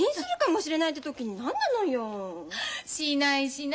しないしない。